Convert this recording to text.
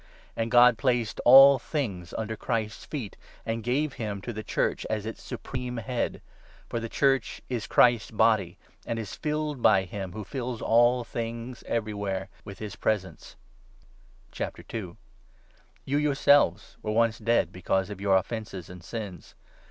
And God placed 'all things under Christ's feet,' and gave him to the Church as its supreme Head ; for the Church is Christ's Body, and is filled by him who fills all things every where with his presence. You yourselves were once dead be cause of your offences and sins.